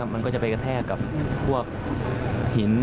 มันก็จะไปแก้แก้กับถึงหิน